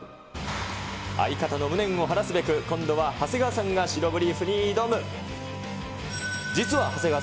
相方の無念を晴らすべく、今度は長谷川さんが白ブリーフに挑む。